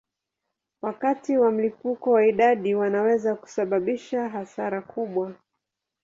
Wakati wa mlipuko wa idadi wanaweza kusababisha hasara kubwa.